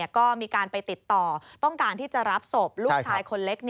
ก็มีการไปติดต่อต้องการที่จะรับศพลูกชายคนเล็ก